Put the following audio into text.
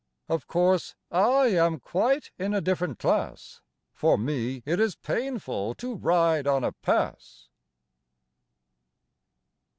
Of course, I am quite in a different class; For me, it is painful to ride on a pass!